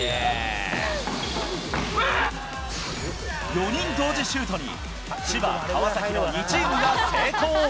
４人同時シュートに、千葉、川崎の２チームが成功。